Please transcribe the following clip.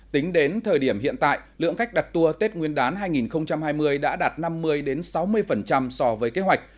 tính đến thời điểm hiện tại lượng khách đặt tour tết nguyên đán hai nghìn hai mươi đã đạt năm mươi sáu mươi so với kế hoạch